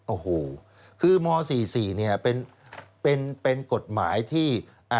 โอ้โหคือม๔๔เนี่ยเป็นกฎหมายที่